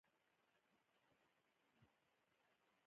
د جنسي ستونزې لپاره د هورمونونو معاینه وکړئ